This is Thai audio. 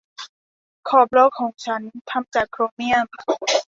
ขอบล้อของฉันทำจากโครเมี่ยม